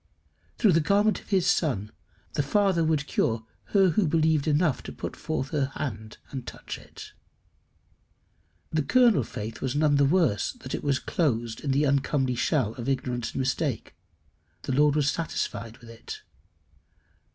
Through the garment of his Son, the Father would cure her who believed enough to put forth her hand and touch it. The kernel faith was none the worse that it was closed in the uncomely shell of ignorance and mistake. The Lord was satisfied with it.